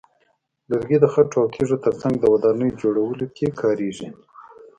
لرګي د خټو او تیږو ترڅنګ د ودانیو جوړولو کې کارېږي.